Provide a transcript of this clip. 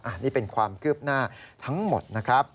อันนี้เป็นความคืบหน้าทั้งหมดนะครับ